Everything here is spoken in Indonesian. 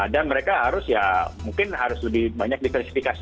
dan mereka harus ya mungkin harus lebih banyak diversifikasi